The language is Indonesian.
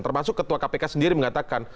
termasuk ketua kpk sendiri mengatakan